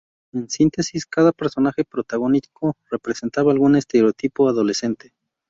En síntesis, cada personaje protagónico representaba algún estereotipo adolescente.